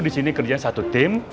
disini kerja satu tim